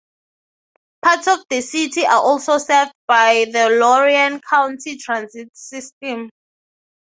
Parts of the city are also served by the Lorain County Transit system.